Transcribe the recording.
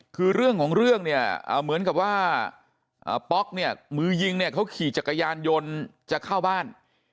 คือเรื่องของเรื่องเนี่ยเหมือนกับว่าป๊อกเนี่ยมือยิงเนี่ยเขาขี่จักรยานยนต์จะเข้าบ้าน